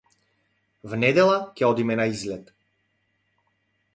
В недела ќе одиме на излет.